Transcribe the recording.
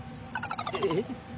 えっ？